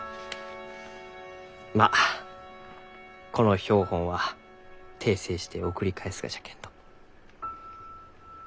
まあこの標本は訂正して送り返すがじゃけんど。